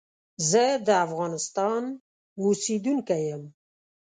زه دافغانستان اوسیدونکی یم.